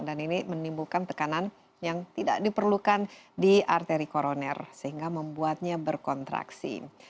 dan ini menimbulkan tekanan yang tidak diperlukan di arteri koroner sehingga membuatnya berkontraksi